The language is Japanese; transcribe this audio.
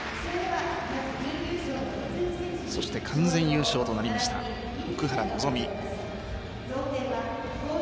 そして完全優勝となりました奥原希望。